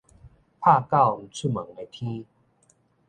拍狗毋出門个天